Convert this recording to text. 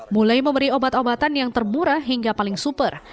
mulai memberi obat obatan yang termurah hingga paling super